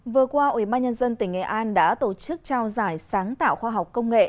vừa qua ủy ban nhân dân tỉnh nghệ an đã tổ chức trao giải sáng tạo khoa học công nghệ